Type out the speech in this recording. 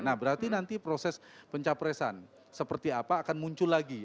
nah berarti nanti proses pencapresan seperti apa akan muncul lagi